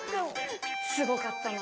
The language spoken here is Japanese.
すごかったよ。